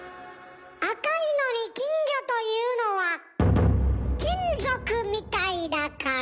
赤いのに金魚というのは金属みたいだから。